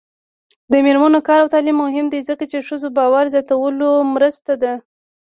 د میرمنو کار او تعلیم مهم دی ځکه چې ښځو باور زیاتولو مرسته ده.